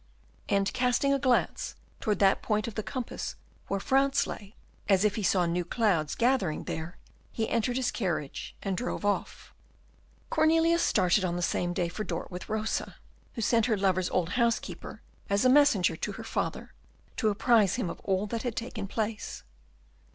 And, casting a glance towards that point of the compass where France lay, as if he saw new clouds gathering there, he entered his carriage and drove off. Cornelius started on the same day for Dort with Rosa, who sent her lover's old housekeeper as a messenger to her father, to apprise him of all that had taken place.